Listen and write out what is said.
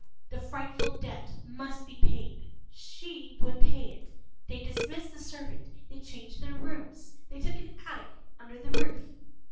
The frightful debt must be paid. She would pay it. They dismissed the servant; they changed their rooms; they took an attic under the roof.